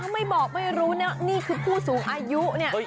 ไม่บอกไม่รู้นะนี่คือผู้สูงอายุเนี่ย